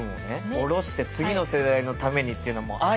下ろして次の世代のためにっていうのはもう愛じゃん。